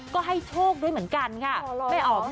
ก็ให้โชคด้วยเหมือนกันค่ะ